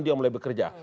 dia mulai bekerja